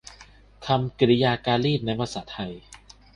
คำกริยาการีตในภาษาไทย